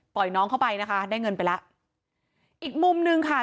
น้องเข้าไปนะคะได้เงินไปแล้วอีกมุมหนึ่งค่ะ